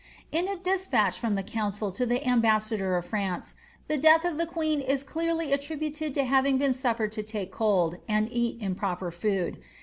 '' In a despatch from the council to the ambassador of France, the death of the queen is clearly attributed to havint^ been sufiered to take cold, and eat improper food.'